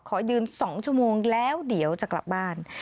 ขอยืน๒ชั่วโมงแล้วเดี๋ยวจะกลับบ้าน